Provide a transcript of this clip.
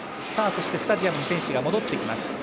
そしてスタジアムに選手が戻ってきます。